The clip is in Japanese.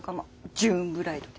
ジューンブライドで。